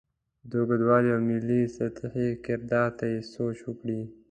د اوږدوالي او ملي سطحې کردار ته یې سوچ وکړې.